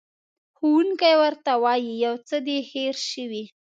ښوونکی ورته وایي، یو څه دې هېر شوي.